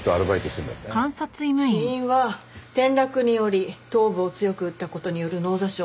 死因は転落により頭部を強く打った事による脳挫傷。